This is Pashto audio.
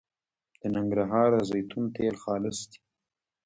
د ننګرهار د زیتون تېل خالص دي